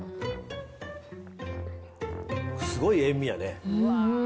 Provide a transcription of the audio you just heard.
すごい塩味やね。